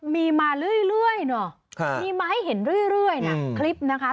มีมาเรื่อยเนอะมีมาให้เห็นเรื่อยนะคลิปนะคะ